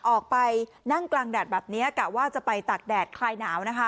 ออกไปนั่งกลางแดดแบบนี้กะว่าจะไปตากแดดคลายหนาวนะคะ